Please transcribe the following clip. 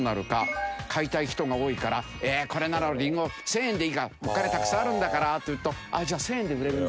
買いたい人が多いからこれならりんご１０００円でいいからお金たくさんあるんだからというとじゃあ１０００円で売れるんだ。